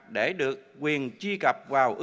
để được quyền tri cập